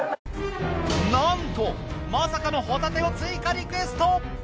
なんとまさかのホタテを追加リクエスト！